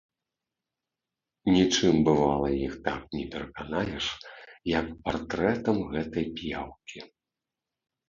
Нічым, бывала, іх так не пераканаеш, як партрэтам гэтай п'яўкі.